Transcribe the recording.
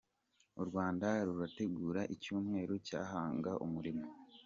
Urwanda Rurategura icyumweru cya Hanga Umurimo